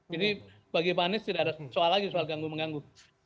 jadi bagi pak hanis tidak ada soal lagi soal ganggu mengganggu